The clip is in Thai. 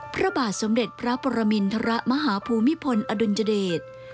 พระบาทสมเด็จพระปรมินทรมาฮภูมิพลอดุลยเดช